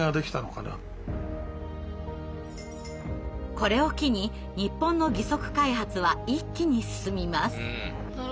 これを機に日本の義足開発は一気に進みます。